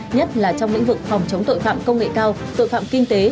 nhất là trong lĩnh vực phòng chống tội phạm công nghệ cao tội phạm kinh tế